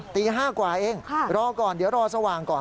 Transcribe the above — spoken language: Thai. ตี๕กว่าเองรอก่อนเดี๋ยวรอสว่างก่อน